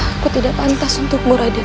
aku tidak pantas untukmu raden